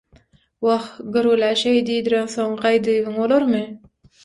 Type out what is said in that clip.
Wah, görgülä şeý diýdireňsoň, gaýdybyň bolarmy?